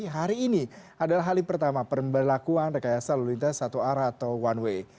hari ini adalah hari pertama perberlakuan rekayasa lalu lintas satu arah atau one way